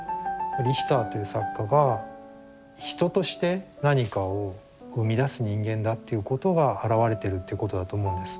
リヒターという作家が人として何かを生み出す人間だっていうことがあらわれてるっていうことだと思うんです。